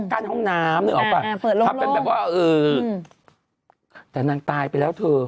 แต่นางตายไปแล้วเถอะ